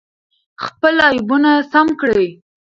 خپل عیبونه سم کړئ.